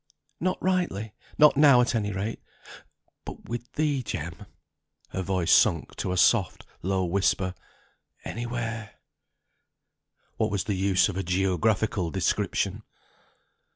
"Not rightly not now, at any rate; but with thee, Jem," her voice sunk to a soft, low whisper, "anywhere " What was the use of a geographical description?